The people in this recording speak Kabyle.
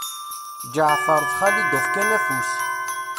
Ǧeɛfer d Xalida fkan afus.